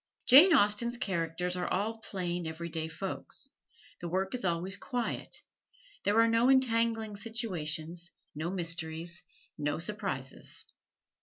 Jane Austen's characters are all plain, every day folks. The work is always quiet. There are no entangling situations, no mysteries, no surprises.